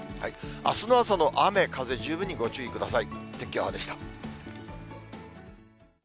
あすの朝の雨風、十分にご注意ください。